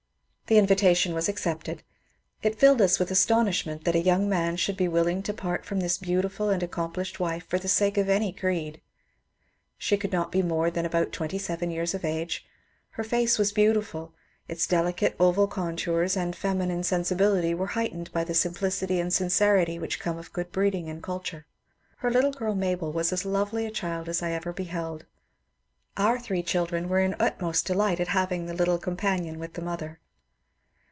The invitation was accepted. It filled us with astonishment that a young man should be willing to part from this beautiful and accomplished wife for the sake of any creed. She could not be more than about twenty seven years of age ; her face was beautiful, its delicate oval contours and feminine sensi ANNIE BESANT 287 bility were heightened by the simplicity and sincerity which come of good breeding and culture. Her little girl Mabel was as lovely a child as I ever beheld ; our three children were in utmost delight at having the little companion with the mother.